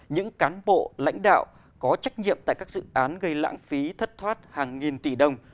những cán bộ lãnh đạo có trách nhiệm tại các dự án gây lãng phí thất thoát hàng nghìn tỷ đồng